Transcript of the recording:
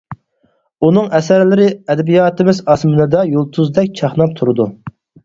ئۇنىڭ ئەسەرلىرى ئەدەبىياتىمىز ئاسمىنىدا يۇلتۇزدەك چاقناپ تۇرىدۇ.